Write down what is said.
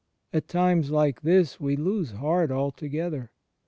At times like this we lose heart altogether.